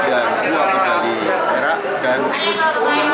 dari jumlah medali yang kita dapatkan mendapatkan medali emas